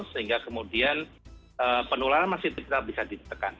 sehingga kemudian penularan masih tetap bisa ditekan